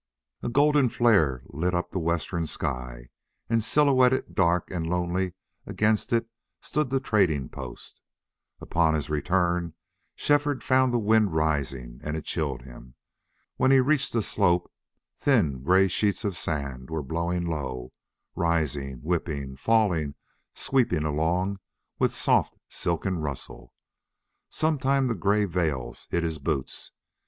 A golden flare lit up the western sky, and silhouetted dark and lonely against it stood the trading post. Upon his return Shefford found the wind rising, and it chilled him. When he reached the slope thin gray sheets of sand were blowing low, rising, whipping, falling, sweeping along with soft silken rustle. Sometimes the gray veils hid his boots.